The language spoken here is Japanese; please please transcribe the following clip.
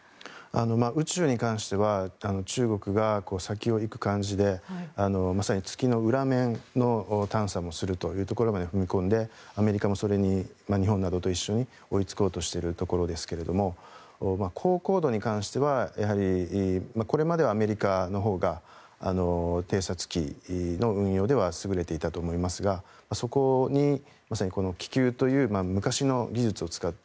宇宙に関しては中国が先を行く感じでまさに月の裏面の探査もするというところまで踏み込んで、アメリカもそれに日本などと一緒に追いつこうとしているところですが高高度に関してはやはりこれまではアメリカのほうが偵察機の運用では優れていたと思いますがそこにまさにこの気球という昔の技術を使って